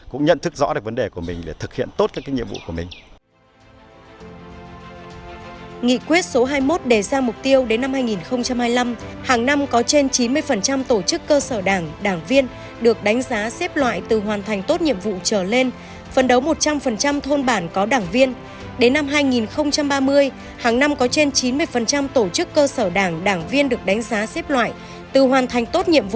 cũng nhận thức rõ được vấn đề của mình để thực hiện tốt những nhiệm vụ của mình